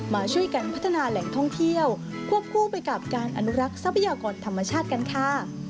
มาช่วยกันพัฒนาแหล่งท่องเที่ยวควบคู่ไปกับการอนุรักษ์ทรัพยากรธรรมชาติกันค่ะ